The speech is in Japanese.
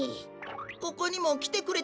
ここにもきてくれたのですか？